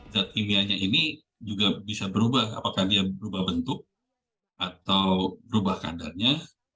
zat kimianya ini juga bisa berubah apakah dia berubah bentuk atau berubah kadarnya